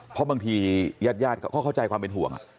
เพราะบางทีญาติก็เข้าใจความเป็นห่วง